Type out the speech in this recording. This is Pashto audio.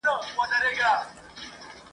تاندي لښتي وې ولاړي شنه واښه وه ..